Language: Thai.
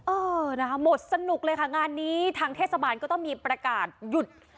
เออนะคะหมดสนุกเลยค่ะงานนี้ทางเทศบาลก็ต้องมีประกาศหยุด